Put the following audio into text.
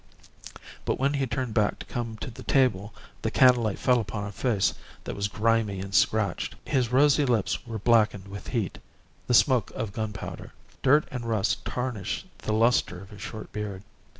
But when he turned back to come to the table the candlelight fell upon a face that was grimy and scratched. His rosy lips were blackened with heat, the smoke of gun powder. Dirt and rust tarnished the lustre of his short beard.